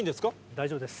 大丈夫です。